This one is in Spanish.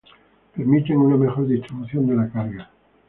Permiten una mejor distribución de la carga.